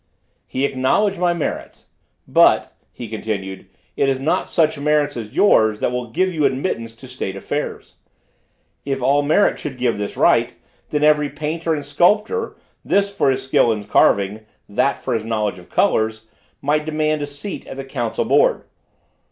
He acknowledged my merits: "But," he continued, "it is not such merits as yours that will give you admittance to State affairs. If all merit should give this right, then every painter and sculptor, this for his skill in carving, that for his knowledge of colors, might demand a seat at the council board.